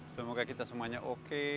semoga kita semuanya oke